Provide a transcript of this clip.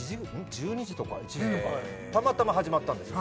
１２時とか１時とかたまたま始まったんですよ